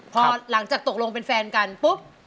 พอหลังจากตกลงเป็นแฟนกันปุ๊บ